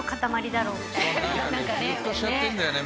ギュッとしちゃってるんだよね